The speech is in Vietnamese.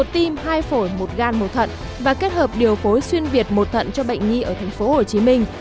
một tim hai phổi một gan một thận và kết hợp điều phối xuyên việt một thận cho bệnh nhi ở thành phố hồ chí minh